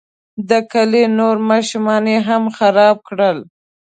د کلي نور ماشومان یې هم خراب کړل.